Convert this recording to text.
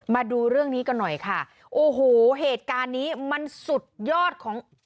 มาดูเรื่องนี้กันหน่อยค่ะโอ้โหเหตุการณ์นี้มันสุดยอดของ